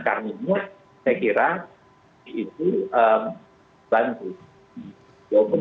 karena semua saya kira itu lanjut